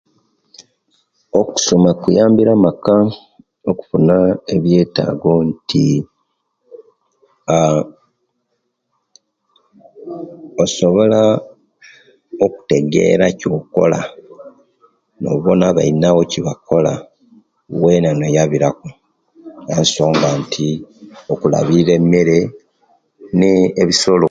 Okusoma, kuyambire amaka okufuna ebyetaago, nti aah; osobola okutegera kyokola, nobona bainabo ekyebakola, weena noyabiraku ensonga nti okulabirira emere ne'bisolo.